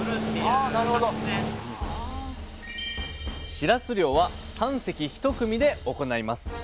しらす漁は３隻１組で行います。